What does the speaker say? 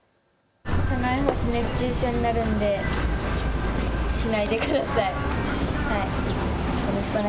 車内で熱中症になるので放置しないでください。